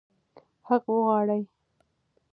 حق وغواړئ.